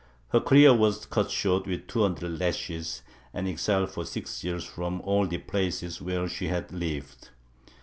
Her career was cut short with two hundred lashes and exile for six years from all the places where she had lived